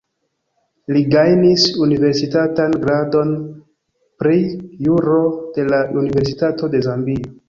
Li gajnis universitatan gradon pri juro de la Universitato de Zambio.